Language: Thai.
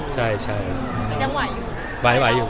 ใช่ใช่อเรนนี่ยังไหวอยู่